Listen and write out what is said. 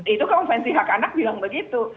itu konvensi hak anak bilang begitu